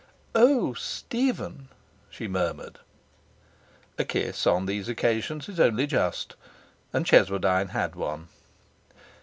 'Oh, Stephen!' she murmured. A kiss on these occasions is only just, and Cheswardine had one.